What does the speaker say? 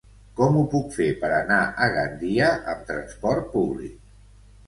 Com ho puc fer per anar a Gandia amb transport públic?